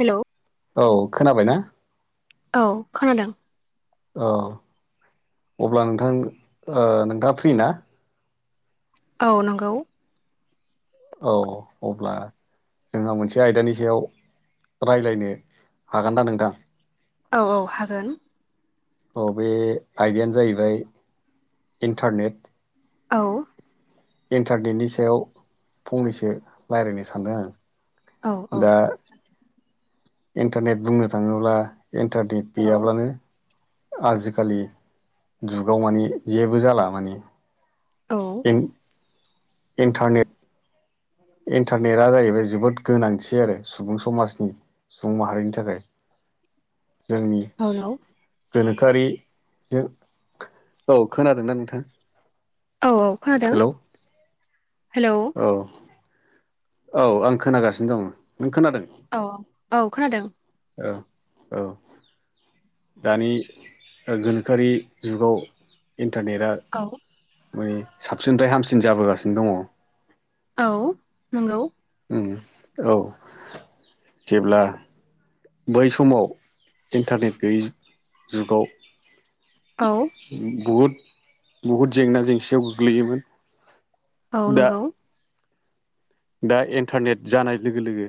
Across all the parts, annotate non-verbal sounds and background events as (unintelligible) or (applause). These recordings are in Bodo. हेलौ औ खोनाबाय ना? औ खोनादों औ अब्ला नोंथां ओ नोंथाङा फ्रि ना? औ नंगौ औ अब्ला जोंहा मोनसे आयदानि सायाव रायलायनो हागोन दा नोंथां औ औ हागोन अ बे आयदायानो जाहैबाय इन्टारनेट औ इन्टारनेटनि सायाव फंनैसो रायलायनो सानदों आं औ औ दा इन्टारनेट बुंनो थाङोब्ला इन्टारनेट औ गैयाब्लानो आजिखालि जुगाव माने जेबो जाला माने औ (unintelligible) इन्टारनेट इन्टारनेटआ जाहैबाय जोबोद गोनांथि आरो सुबुं समाजनि सुबुं माहारिनि थाखाय जोंनि हेलौ गोनोखोआरिजों औ खोनादोंना नोंथां? औ औ खोनादों हेलौ हेलौ औ औ आं खोनागासिनो दङ नों खोनादों? औ औ औ खोनादों औ औ दानि गोनोखोआरि जुगाव इन्टारनेटआ औ ओ साबसिननिफ्राय हामसिन जाबोगासिनो दङ औ नंगौ ओम औ जेब्ला बै समाव इन्टारनेट गैयै जुगाव औ बहुद बहुद जेंना जेंसियाव गोग्लैयोमोन औ दा नंगौ दा इन्टारनेट जानाय लोगो लोगो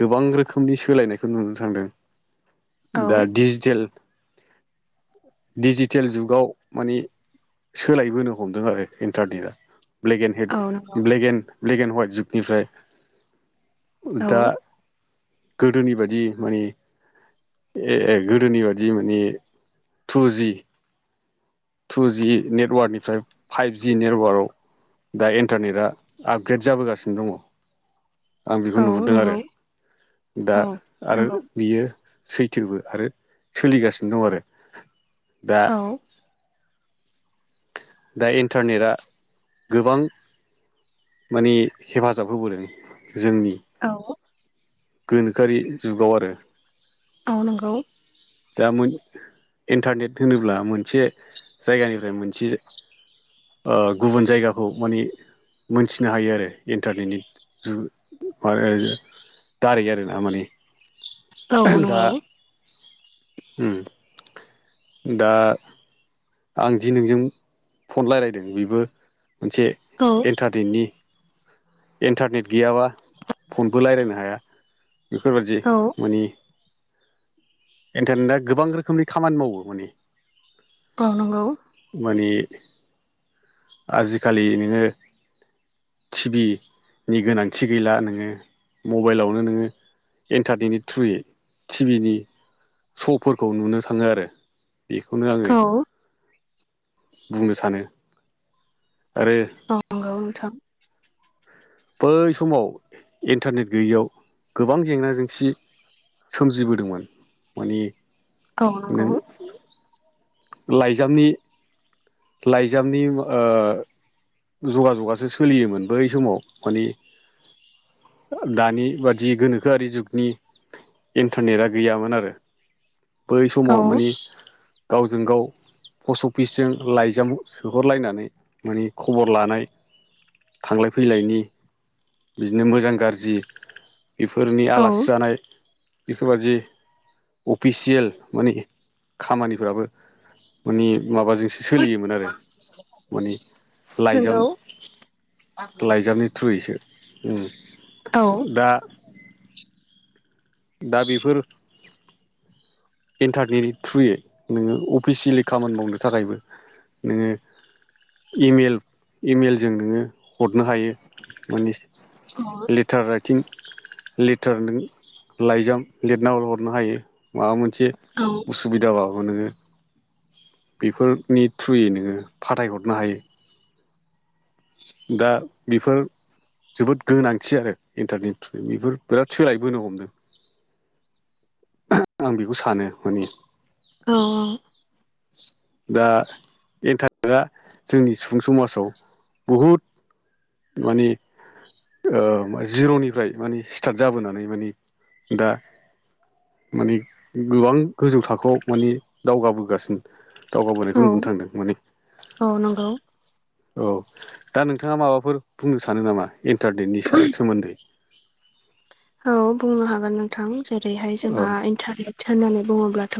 गोबां रोखोमनि सोलायनायखौ नुनो थांदों औ दा डिजिटेल दिडिजिटेल जुगाव माने सोलायबोनो हमदों आरो इन्टारनेटआ ब्लेक एण्ड हेड औ नंगौ black and black and white जुगनिफ्राय औ दा गोदोनि बादि माने ए ए गोदोनि बादि माने टुजि टु जि नेटवार्कनिफ्राय फाइभजि नेटवार्कआव दा इन्टारनेटआ आपग्रेड जाबोगासिनो दङ आं बेखौ औ नुहुरदों नंगौ आरो दा औ आरो नंगौ बियो सैथोबो आरो सोलिगासिनो दं आरो दा औ दा इन्टारनेटआ गोबां माने हेफाजाब होबोदों जोंनि औ गोनोखोआरि जुगाव आरो मावनांगौ दा इन्टारनेट होनोब्ला मोनसे जायगानिफ्राय मोनसे ओ गुबुन जायगाखौ माने मोनथिनो हायो आरो इन्टारनेटनि जुग (unintelligible) दारै आरो ना माने औ नंगौ ओम दा आं जि नोंजों फन रायज्लायदों बेबो मोनसे औ एन्टारनेटनि इन्टारनेट गैयाबा फनबो रायज्लायनो हाया बेफोरबायदि औ माने इन्टारनेटा गोबां रोखोमनि खामानि मावो माने औ नंगौ माने आजिखालि नोङो टिभि नि गोनांथि गैला नोङो मबाइलावनो नोङो एन्टारनेटनि थ्रुयै टिभि नि श'फोरखौ नुनो थाङो आरो बेखौनो औ आङो बुंनो सानो आरो औ नंगौ नोंथां बै समाव इन्टारनेट गैयैयाव गोबां जेंना जेंसि सोमजिबोदोंमोन माने औ नंगौ नों लाइजामनि लाइजामनि ओ जगा जगासो सोलियोमोन बै समाव माने दानि बादि गोनोखोआरि जुगनि इन्टारनेटआ गैयामोन आरो बै औ समाव माने गावजों गाव पस्ट अफिसजों लाइजाम सोहरलायनानै माने खबर लानाय थांलाय फैलायनि बिदिनो मोजां गाज्रि बेफोरनि नंगौ आलासि जानाय बेफोरबादि स्पिसियेल माने खामानिफ्राबो मानि माबाजों सोलियोमोन आरो माने लाइजाम लाइजामनि थ्रुयसो औ दा दा बेफोर इन्टारनेटनि थ्रुयै नोङो अफिसियेलि खामानि मावनो थाखायबो नोङो इमेल इमेलजों नोङो हरनो हायो माने औ लेटार राइट थिं लिटार नों लाइजाम लिरनानै हरनो हायो माबा मोन एसे औ उसुबिदा बाबो नोङो बेफोरनि थ्रुयै नोङो फाथायहरनो हायो दा बेफोर जोबोद गोनांथि आरो इन्टारनेट बेफोर बिराद सोलायबोनो हमदों आं बेखौ सानो माने औ औ दा एन्टारेटआ जोंनि सुबुं समाजाव बुहुद माने जिर'निफ्राय माने स्टार्ट जाबोनानै माने दा माने गोबां गोजौ थाखोआव माने दावगाबोगासिनो। औ दावगाबोनायखौ नुनो थांदों माने औ नंगौ। औ दा नोंथाङा माबाफोर बुंनो सानो नामा इन्टारनेटनि सा सोमोन्दै। औ बुंनो हागोन नोंथां जेरैहाय औ जोंहा इन्टारनेट होननानै बुङोब्लाथ'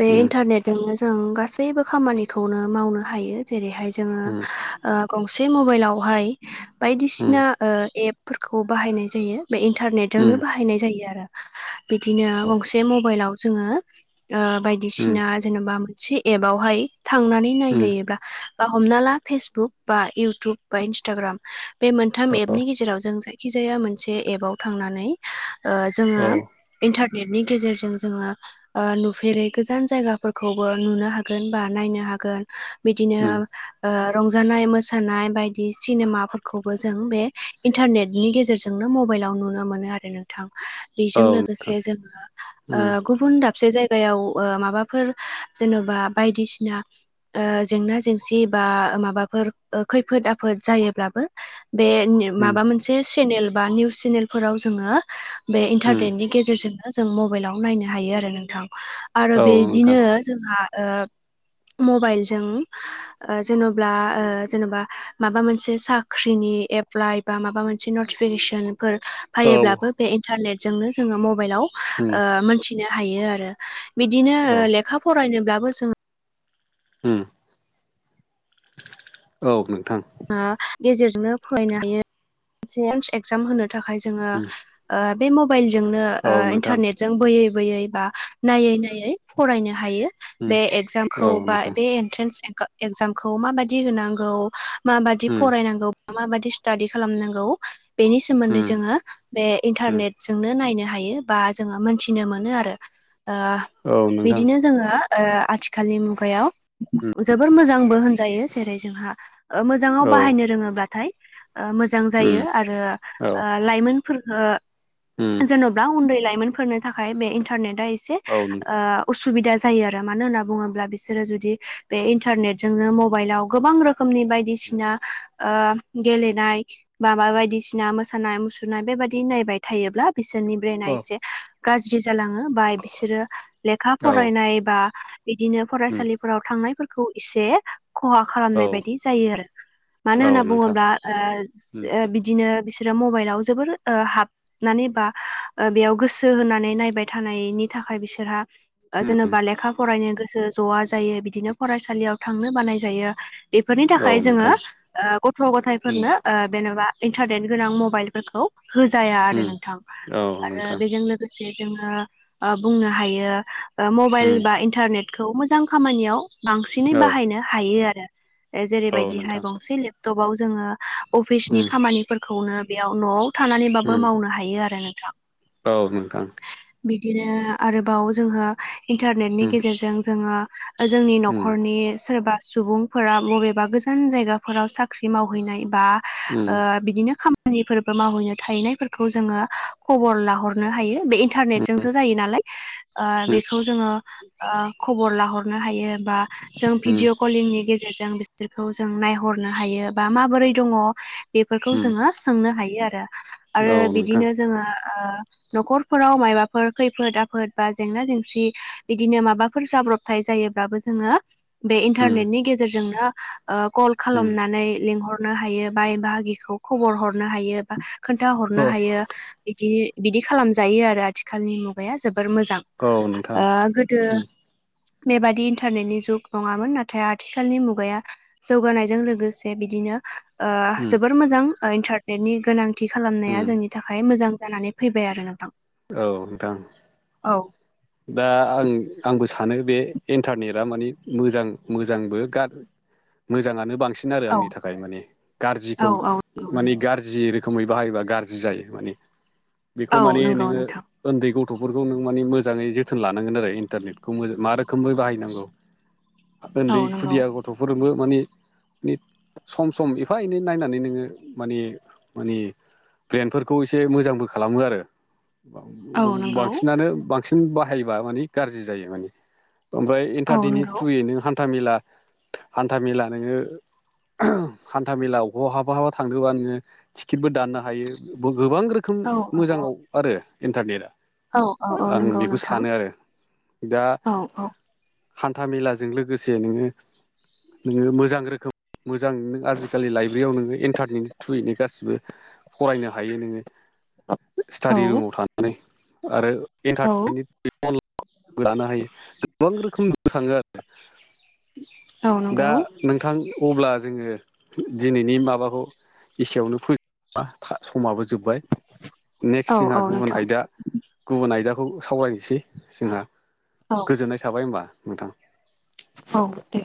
बे उम इन्टारनेटजोंनो जों गासैबो खामानिखौनो मावनो हायो जेरैहाय जों जोङो उम ओ गंसे मबाइलावहाय उम बायदिसिना ओ एप फोरखौ बाहायनाय जायो बा उम इन्टारनेटजोंनो बाहायनाय जायो आरो बिदिनो औ गंसे मबाइलाव जोङो उम बायदिसिना जेनेबा मोनसे एपावहाय थांनानै उम नायहैयोब्ला बा हमना ला फेसबुक बा इयउटुब बा इन्स्टाग्राम बे मोनथाम औ एपनि गेजेराव जों जाय जायखिजाया मोनसे एपाव थांनानै जोङो औ इन्टारनेटनि गेजेरजों जोङो नुफेरै गोजान जायगाफोरखौबो नुनो हागोन बा नायनो हागोन बिदिनो उम रंजानाय मोसानाय बायदि सिनेमाफोरखौबो जों बे इन्टारनेटनि गेजेरजों जोंनो बाइलाव नुनो मोनो आरो नोंथां औ बेजों उम लोगोसे जोङो गुबुन दाबसे जायगायाव माबाफोर जेन'बा बायदिसिना जेंना जेंसि बा माबाफोर खैफोद आफोद जायोब्लाबो बे उम माबा मोनसे सेनेल बा निउस चेनेलफोराव जोङो बे उम इन्टारटेननि गेजेरजोंनो जों मबाइलाव नायनो हायो आरो नोंथां आरो औ बिदिनो नोंथां जोंहा मबाइलजों जेनेबा जेनेबा माबा मोनसे साख्रिनि एप्लाइ बा माबा मोनसे न फेसनफोर औ फायोब्लाबो बे इन्टारने जोंनो जो मबाइलाव उम ओ मोनथि नो हायो आरो बिदिनो औ लेखा फरायनोब्लाबो जों उम औ नोंथां। ओ गेजेरजोंनो फरायनो हायो (unintelligible) एक्जाम होनो थाखाय जोङो उम बे मबाइलजोंनो औ ओ नोंथां इन्टारनेट जों बोयै बोयै बा नायै नायै फरायनो हायो। उम बे औ एक्जामखौ बा नोंथां बे एन्ट्रेन्स एक्जामखौ माबादि होनांगौ। माबादि उम फरायनांगौ माबादि स्टाादि खालामनांगौ बेनि सोमोन्दै उम जोङो बे उम इन्टारनेटजोंनो नायनो हायो बा जोङो मोनथिनो मोनो आरो औ नोंथां बिदिनो जोङो ओ आथिखालनि मुगायाव उम जोबोर मोजांबो होनजायो। जेरै जोंहा मोजाङाव औ बाहायनो रोङोब्लाथाय ओ मोजां उम जायो आरो औ ओ लाइमोनफोरखो उम होनोब्ला उन्दै लाइमोनफोरनो थाखाय बे इन्टारनेटआ एसे औ नों औ असुबिदा जायो आरो मानो होनना बुङोब्ला बिसोरो जुदि बे इन्टारनेटजोंनो मबाइलाव गोबां रोखोमनि बाय बिसिना ओ गेलेनाय बाबा बायदिसिना मोसानाय मुसुरनाय बेबायदि नायबाय थायोब्ला बिसोरनि ब्रेेनआ एसे गाज्रि जालाङो बा बिसोरो लेखा औ फरायनाय बा बिदिनो उम फरायसालिफोराव थांनायफोरखौ एसे खहा औ खालामनाय बायदि जायो आरो मानो औ होनना नोंथां बुङोब्ला ओ उम ओ बिदिनो बिसोरो मबाइलाव जोबोर हाब नानै बा बेयाव गोसो होनानै नायबाय थानायनि थाखाय बिसोरहा उम जेनेबा लेखा फरायनो गोसो जआ जायो बिदिनो फरायसालियाव थांनो बानाय जायो बेफोरनि औ थाखाय जोङो नोंथां ओ गथ' गथायफोरनो ओ जेन'बा इन्टारनेट गोनां मबाइलफोरखौ होजाया आरो उम नोंथां औ आरो नोंथां बेजों लो लोगोसे जोङो ओ बुंनो हायो मबाइल उम बा इन्टारनेट खौ मोजां खामानियाव बांसिनै औ बाहायनो हायो आरो। औ जेरैबायदिहाय नोंथां गंसे लेपटपाव जोङो अफिसनि उम खामानिफोरखौनो बेयाव न' थानानैबाबो उम मावनो हायो आरो नोंथां। औ नोंथां। बिदिनो आरोबाव जोङो इन्टारनेटनि उम गेजेरजों जोङो जोंनि उम न'खरनि सोरबा सुबुंफोरा बबे बा गोजान जायगाफोराव साख्रि मावहैनाय बा उम ओ बिदिनो खामानिफोरबो मावहैनो थाहैनायफोरखौ जोङो खबर लाहरनो हायो बे इन्टारनेट जोंसो जायो नालाय। ओ उम बेखौ जोङो ओ खबर लाहरनो हायो बा जों उम भिडअ कलिंनि गेजेरजों बिसोरखौ जों नायहरनो हायो बा माबोरै दङ बेफोरखौ उम जोङो सोंनो हायो आरो औ आरो नोंथां बिदिनो जोङो ओ न'खरफोराव मायबाफोर खैफोद आफोद बा जेंना जेंसि बिदिनो माबाफोर जाब्रबथाय जायोब्लाबो जोङो बे उम इन्टारनेटनि गेजेरजोंनो ओ कल उम खालामनानै लिंहरनो हायो बाइ बाहागिखौ खबर हरनो हायो बा खोन्थाहरनो औ हायो बिदि बिदि खालामजायो आरो आथिखालनि मुगाया जोबोर मोजां। औ नोंथां ओ गोदो उम बेबादि इन्टारनेटनि जुग नङामोन नाथाय आथिखालनि मुगाया जौगानायजों लोगोसे बिदिनो ओ उम जोबोर मोजां इन्टारनेटनि गोनां थि खालामनाया उम जोंनि थाखाय मोजां जानानै फैबाय आरो नोंथां। औ नोंथां। औ दा आं आंबो सानो बे इन्टारनेटआ मानि मोजां मोजांबो गार मोजाङानो बांसिन आरो औ आंनि थाखाय माने औ गारजिखौ माने गारजि जि रोखोमै बाहायोबा गाज्रि जायो माने बेखौ औ माने नंगौ नोङो नोंथां ओन्दै गथ'फोरखौ नों माने मोजां मोजाङै जोथोन लानांगोन आरो इन्टारनेटखौ मा रोखोमै बाहायनांगौ औ ओन्दै नंगौ खुदिया गथ' गथ'फोरजोंबो माने ने सम सम एफा एनै नायनानै नोङो माने माने ब्रेनफोरखौ एसे मोजांबो खालामो आरो। औ नंगौ बांसिनानो बांसिन बाहायबा मानि गाज्रि जायो माने ओमफ्राय औ इन्टारनेटनि नंगौ थ्रुयै नों हान्था मेला हान्था मेला नोङो हान्था मेला बहाबा बहा थांदोंबा नोङो टिकेटबो दाननो हायो गोबां रोखोम औ औ मोजाङाव आरो इन्टारनेटआ। औ औ आं नंगौ बेखौ नोंथां सानो आरो दा औ औ हान्था मेलाजों लोगोसे नोङो नोङो मोजां रोखोम मोजां नों आजिखालि लाइब्रेरियाव नोङो इन्टारनेटनि थ्रुयैनो गासिबो फरायनो हायो नोङो औ स्टाडि रुमाव थानानै आरो औ एन्टारनेटनि (unintelligible) लानो हायो गोबां रोखोम खाङो आरो। औ दा नंगौ नोंथां अब्ला जोङो दिनैनि माबाखौ एसेयावनो फो समाबो जोब्बाय औ नेक्स्ट जोंहा औ गुबुन नोंथां आयदा गुबुन आयदाखौ सावरायनोसै जोंहा। औ- गोजोननाय थाबाय होमबा नोंथां । औ दे ।